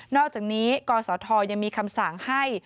อกจากนี้กศธยังมีคำสั่งให้